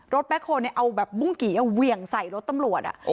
รถแบ็คโคลเนี่ยเอาแบบบุ้งกี่เอาเวียงใส่รถตำรวจอะ